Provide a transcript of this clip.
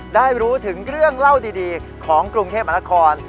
ได้รู้ถึงเรื่องเล่าดีของกรุงเทพมหานคร